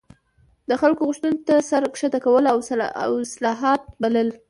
د خلکو غوښتنو ته سر ښکته کول او اصلاحات بلل.